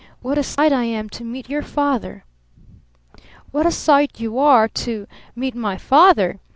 what a sight I am to meet your father!" "What a sight you are to meet my father?"